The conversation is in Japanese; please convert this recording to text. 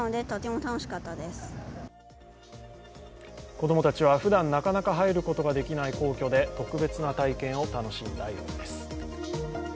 子供たちは、ふだんなかなか入ることができない皇居で特別な体験を楽しんだようです。